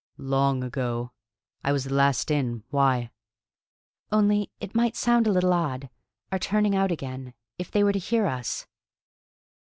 "Long ago. I was the last in. Why?" "Only it might sound a little odd, our turning out again, if they were to hear us."